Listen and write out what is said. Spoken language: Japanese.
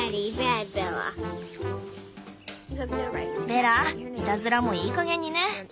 ベラいたずらもいいかげんにね。